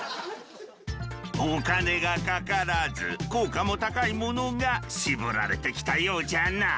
お金がかからず効果も高いものが絞られてきたようじゃな。